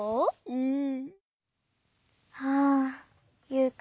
うん。